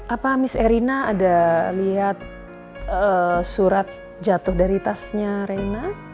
apa mis erina ada lihat surat jatuh dari tasnya reina